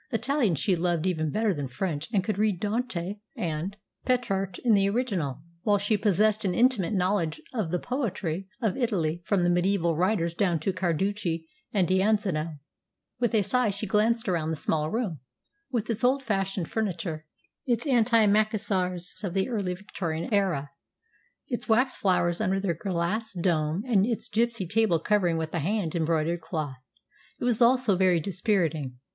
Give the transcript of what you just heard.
Italian she loved even better than French, and could read Dante and Petrarch in the original, while she possessed an intimate knowledge of the poetry of Italy from the mediaeval writers down to Carducci and D'Annunzio. With a sigh, she glanced around the small room, with its old fashioned furniture, its antimacassars of the early Victorian era, its wax flowers under their glass dome, and its gipsy table covered with a hand embroidered cloth. It was all so very dispiriting.